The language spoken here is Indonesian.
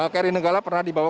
karimah nanggala pernah dibawa